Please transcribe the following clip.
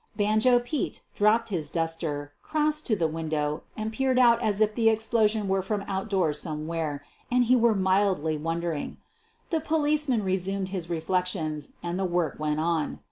" Banjo Pete" dropped his duster, crossed to the window, and peered out as if the explosion were from outdoors somewhere, and he were mildly won dering. The policeman resumed his reflections and the work went on.